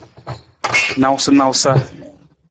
Nawusanawusa.